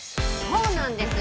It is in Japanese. そうなんです。